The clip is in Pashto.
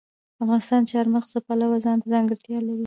افغانستان د چار مغز د پلوه ځانته ځانګړتیا لري.